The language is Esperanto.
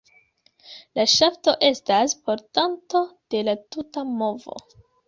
La ŝafto estas portanto de la tuta movo.